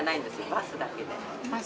バスだけで。